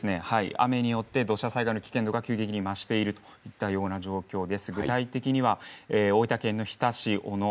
雨によって土砂災害の危険度が急激に増しているといった状況です。